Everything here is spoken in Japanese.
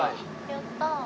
やったー。